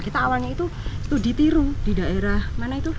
kita awalnya itu ditiru di daerah mana itu